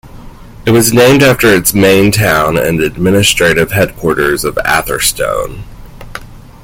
It was named after its main town and administrative headquarters of Atherstone.